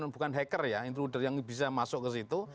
bukan hacker ya intruder yang bisa masuk kesitu